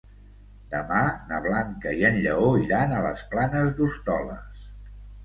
Demà na Blanca i en Lleó iran a les Planes d'Hostoles.